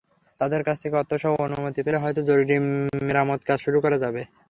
তাঁদের কাছ থেকে অর্থসহ অনুমতি পেলে হয়তো জরুরি মেরামতকাজ শুরু করা যাবে।